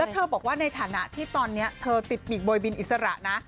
เธอบอกว่าในฐานะที่ตอนนี้เธอติดปีกโบยบินอิสระนะ